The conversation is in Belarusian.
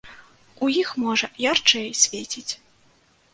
У іх, можа, ярчэй свеціць.